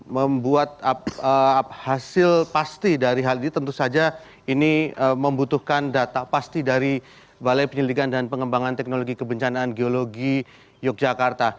membuat hasil pasti dari hal ini tentu saja ini membutuhkan data pasti dari balai penyelidikan dan pengembangan teknologi kebencanaan geologi yogyakarta